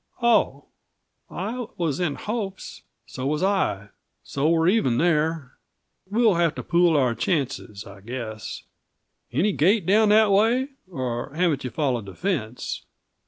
"Oh! I was in hopes " "So was I, so we're even there. We'll have to pool our chances, I guess. Any gate down that way or haven't you followed the fence?"